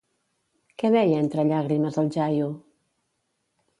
Què deia entre llàgrimes el jaio?